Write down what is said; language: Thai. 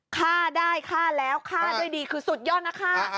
ฆ่าได้ฆ่าแล้วฆ่าด้วยดีคือสุดยอดนะคะ